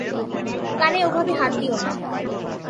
কানে ওভাবে হাত দিও না।